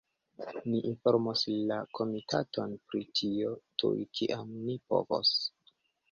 Ni informos la komitaton pri tio tuj, kiam ni povos.